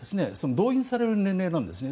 動員される年齢なんですね。